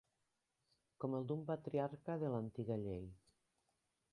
Com el d'un patriarca de l'antiga llei